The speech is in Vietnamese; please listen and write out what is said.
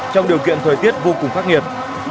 trong điều kiện thời tiết vô cùng khắc nghiệt